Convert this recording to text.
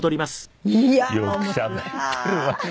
よくしゃべっているわね。